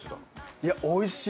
いやあおいしい。